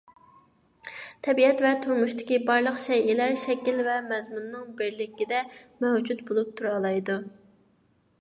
تەبىئەت ۋە تۇرمۇشتىكى بارلىق شەيئىلەر شەكىل ۋە مەزمۇننىڭ بىرلىكىدە مەۋجۇت بولۇپ تۇرالايدۇ.